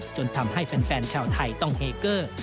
จนทำให้แฟนชาวไทยต้องเฮเกอร์